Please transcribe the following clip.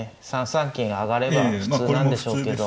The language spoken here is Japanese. ３三銀上がれば普通なんでしょうけど。